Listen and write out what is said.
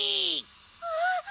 あっ！